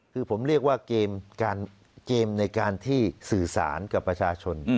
คือผมเรียกว่าเกมในการที่สื่อสารกับประชาชน